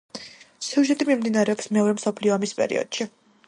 სიუჟეტი მიმდინარეობს მეორე მსოფლიო ომის პერიოდში.